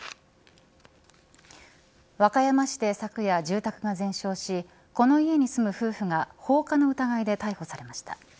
和歌山市で昨夜住宅が全焼しこの家に住む夫婦が放火の疑いで逮捕されました。